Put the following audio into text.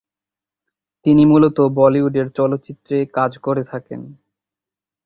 তিনি মূলত বলিউডের চলচ্চিত্রে কাজ করে থাকেন।